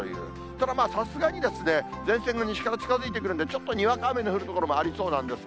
ただ、さすがに、前線が西から近づいてくるんで、ちょっとにわか雨の降る所もありそうなんです。